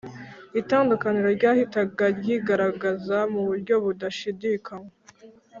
itandukaniro ryahitaga ryigaragaza mu buryo budashidikanywa